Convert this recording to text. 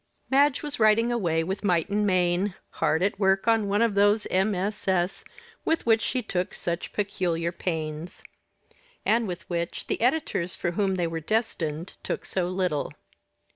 Madge was writing away with might and main, hard at work on one of those MSS. with which she took such peculiar pains; and with which the editors for whom they were destined took so little.